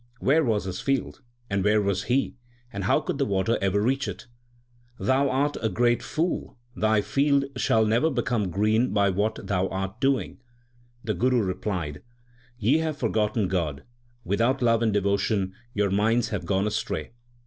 Where was his field and where was he, and how could the water ever reach it ? Thou art a great fool, thy field shall never become green by what thou art doing/ The Guru replied, Ye have forgotten God. Without love and devotion your minds have gone astray.